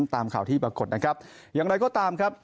ตามข่าวที่ปรากฏนะครับอย่างไรก็ตามครับ